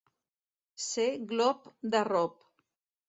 Ser glop d'arrop.